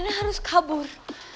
adriana harus kabur